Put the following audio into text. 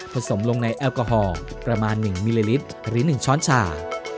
สมลงในแอลกอฮอลประมาณ๑มิลลิลิตรหรือ๑ช้อนชา